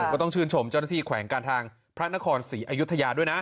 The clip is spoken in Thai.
ก็ต้องชื่นชมเจ้าหน้าที่แขวงการทางพระนครศรีอยุธยาด้วยนะ